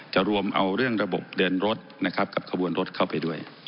รวมเอาเรื่องระบบเดินรถนะครับกับขบวนรถเข้าไปด้วย